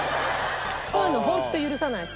そういうのホント許さないし。